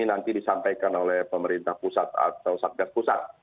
nanti disampaikan oleh pemerintah pusat atau satgas pusat